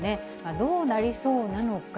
どうなりそうなのか。